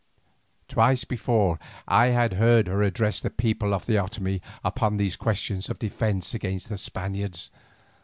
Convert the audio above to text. Twice before I had heard her address the people of the Otomie upon these questions of defence against the Spaniards.